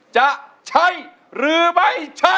จะใช้หรือไม่ใช่